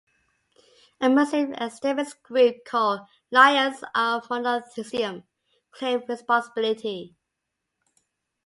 A Muslim extremist group called "Lions of Monotheism" claimed responsibility.